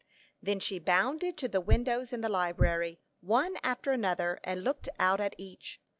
Then she bounded to the windows in the library, one after another, and looked out at each.